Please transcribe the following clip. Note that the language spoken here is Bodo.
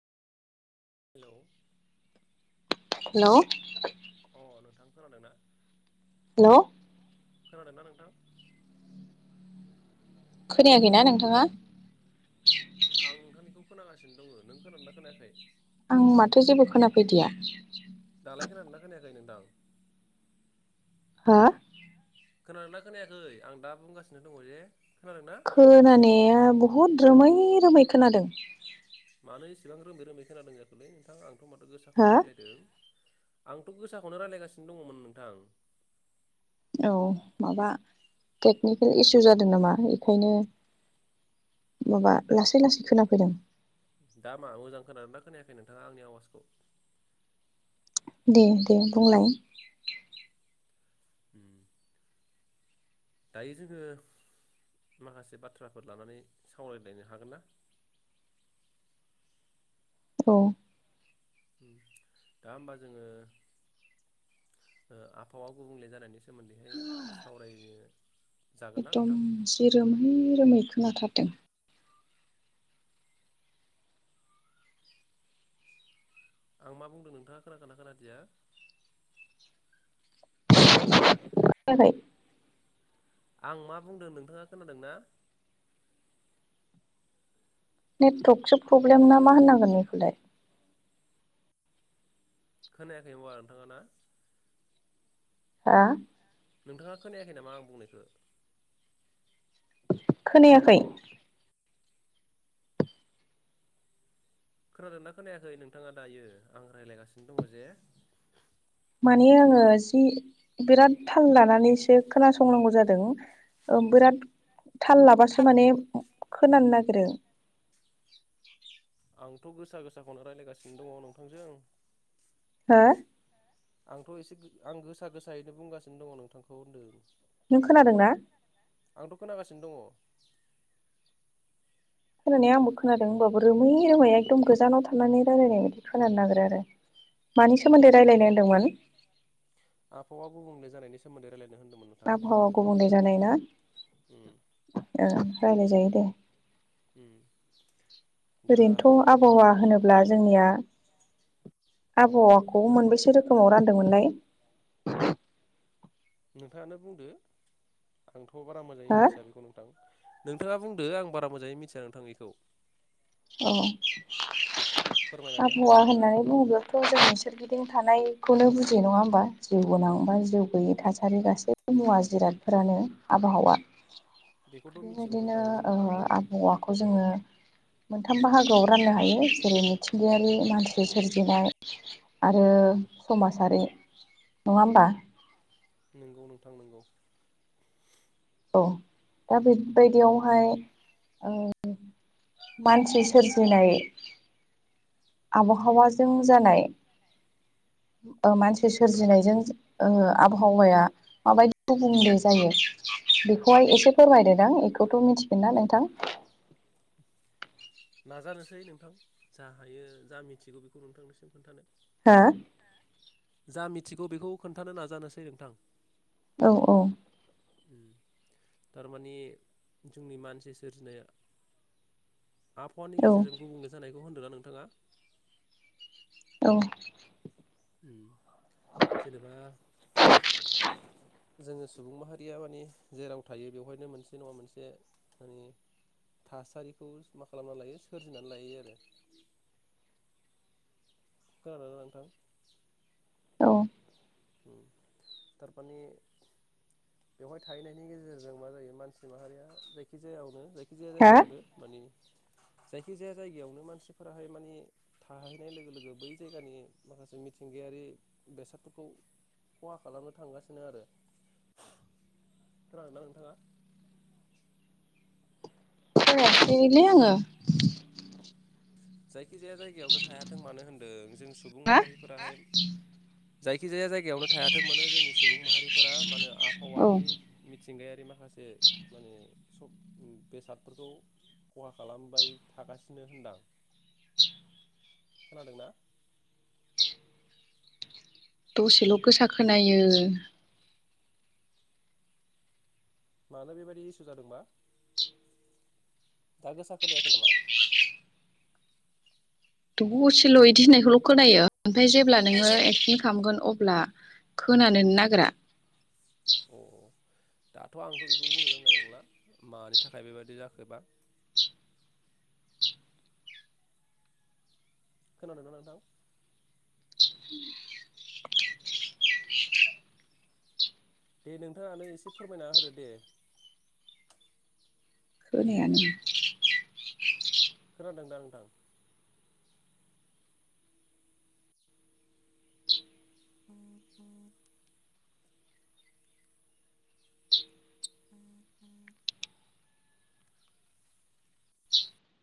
हेलौ। हेल'। अ नोंथां खोनादों ना। हेल' खोनादों ना नोंथां? खोनायाखैना नोंथाङा। आं नोंथांनिखौ खोनागासिनो दङ। नों खोनादोंना खोनायाखै? आं माथो जेबो खोनाफैदिया। दालाय खोनादोंना खोनायाखै नोंथां। हो। खोनादों ना खोनायाखै आं दा बुंगासिनो दङ जे खोनादों ना। खोनानाया बहुद रोमै-रोमै खोनादों। मानो एसेबां रोमै-रोमै खोनादों जाखोलै नोंथां आंथ' माथो हा गोसाखौनो रायलायदों। आंथ' गोसाखौनो रायलायगासिनो दङमोन नोंथां। औ माबा टेकनिकेल इसु जादों नामा बेखायनो। माबा लासै-लासै खोनाफैदों। दा मा मोजां खोनादोंना खोनायाखै नोंथाङा आंनि आवाजखौ। दे-दे बुंलाय। उम। दायो जोंङो माखासे बाथ्राफोर लानानै सावरायलायनो हागोन ना? औ। उम दा होमबा जोंङो। ओ आबहावा गुबुंले जानायनि सोमोन्दैहाय सावरायनो। जागोन ना एखदम नोंथां जि रोमै-रोमै खोनाथारदों। आं मा बुंदों नोंथाङा खोनखोना खोनादिया। [unintelligible] आं मा बुंदों नोंथाङा खोनादों ना। नेटतकसो प्रब्लेम ना मा होननांगोन बेखौलाय। खोनायाखै होमबा नोंथाङा ना। हा। नोंथाङा खोनायाखै नामा आं बुंनायखौ। खोनायाखै। खोनादोंना, खोनायाखै नोंथाङा दायो आं रायज्लायगासिनो दङ जे। माने, आंङो जि बिराद थाल लानानैसो'खोनासंनांगौ जादों। औ बिराद थाल लाबासो माने खोनानो नागिरो। आंथ' गोसा गोसाखौनो रायज्लायगासिनो दङ नोंथांजों। हो आंथ' एसे आं गोसा गोसायैनो बुंगासिनो दङ नोंथांखौ होनदों। नों खोनादोंना? आंथ' खोनागासिनो दङ। खोनानाया आंबो खोनादों होमबाबो रोमै रोमै एखदम गोजानाव थानानै रायलायनाय बायदि खोनानो नागोरो आरो। मानि सोमोन्दै रायलायनो होनदोंमोन? आबहावा गुबुंले जानायनि सोमोन्दै रायलायनो होन्दोंमोन आबहावा गुबुंले जानायना उम ओ रायलाय जायो दे। उम दा ब्ला जोंनिया औ आबहावाखौ मोनबैसे रोखोमाव रानदोंमोनलाय? नोंथाङानो बुंदो आंथ' बारा मोजाङै हो मिथिया बेखौ नोंथां। नोंथाङा बुंदो आं बारा मोजाङै मिथिया नोंथां बेखौ। औ फोरमायनानै होदो आबहावा नोंथाङा होननानै बुंङोब्ला थ' जोंनि सोरगिदिं थानायखौनो बुजियो नङा होमबा जिउ गोनां बा जिउ गैयि थासारि गासै मुवा जिरादफोरानो आबहावा। बेखौथ' मिथिगौ नोंथां नों आ नों औवाखौ जोङो मोनथाम बाहागोआव राननो हायो जेरै मिथिंगायारि मानसि सोरजिनाय आरो समाजारि नङा होमबा? नोंगौ नोंथां नोंगौ। औ दा बेबायदियावहाय ओ मानसि सोरजिनाय आबहावाजों जानाय ओ मानसि सोरजिनायजों ओ आबहावाया माबायदि गुबुंले जायो बेखौहाय एसे फोरमायदोदां एखौथ' मिथिगोनना नोंथां? नाजानोसै नोंथां जाहायो जा मिथिगौ बेखौ नोंथांनिसिम खोन्थानो। हो जा मिथिगौ बेखौ खोन्थानो नाजानोसै नोंथां। औ औ। उम थारमानि जोंनि मानसि सोरजिनाया आबहावानि औ गेजेरजों गुबुंले जानायखौ होनदोंना नोंथाङा? औ। उम जेनेबा जोङो सुबुं माहारिया माने जेराव थायो बेवहायनो मोनसे नङा मोनसे माने थासारिखौ मा खालामनानै लायो सोरजिनानै लायो आरो। खोनादोंना नोंथां? औ। उम थारफाने बेवहाय थाहैनायनि गेजेरजों मा जायो मानसि माहारिया जायखिजायावनो जायखिजाया हा जायगायावनो मानि जायखिजाया जायगायावनो मानसिफोराहाय मानि थाहैनाय लोगो लोगो बै जायगानि माखासे मिथिंगायारि बेसादफोरखौ खहा खालामनो थांगासिनो आरो। खोनादोंना नोंथाङा? खोनायासैलै आङो। जायखिजाया जायगायावनो थायाथों मानो होन्दों जों सुबुं हा माहारि फोर जायखि जाया जायगायावनो थायाथों मोनो जोंनि सुबुं माहारिफोरा मा होनो आ औ फावानि मिथिंगायारि माखासे माने सब उम बेसादफोरखौ खहा खालामबाय थागासिनो होनदां। खोनादों ना? दसेल' गोसा खोनायो। मानो बेबायदि इसु जादोंबा दा गोसा खोनायाखै नामा? दसेल' इदि होननायखौल' खोनायो ओमफाय जेब्ला ओमफ्राय नोङो जेब्ला एक्सिन खालामगोन अब्ला खोनानो नो नागिरा। अ दाथ' आंथ' बेखौ बुंनो रोंनाय नंला मानि थाखाय बेबायदि जाखोबा। खोनादों ना नोंथां? दे नोंथाङानो एसे फोरमायना होदो दे। खोनायानो। खोनादों दा नोंथां? [unintelligible] [unintelligible]